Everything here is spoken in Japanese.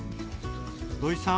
土井さん